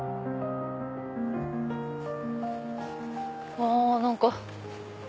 あ何か。